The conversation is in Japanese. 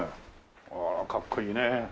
ああかっこいいね。